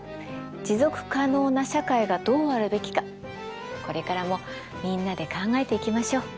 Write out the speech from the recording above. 持続可能な社会がどうあるべきかこれからもみんなで考えていきましょう。